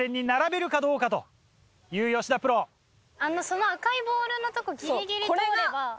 その赤いボールのとこギリギリ通れば。